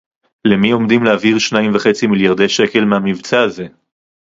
למי עומדים להעביר שניים וחצי מיליארדי שקל מהמבצע הזה